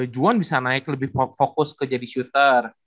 juwan bisa naik lebih fokus ke jadi shooter